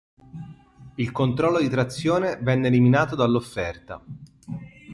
Il controllo di trazione venne eliminato dall'offerta.